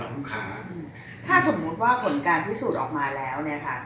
ถ้าสมมติว่าผลการพิสูจน์ออกมาแล้ว